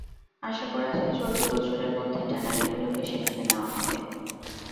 আশা করা যায় চলতি বছরের মধ্যে ট্যানারিগুলোকে সেখানে নেওয়া যাবে।